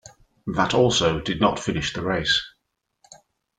That also did not finish the race.